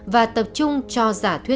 và tập trung vào các mối quan hệ của chị yến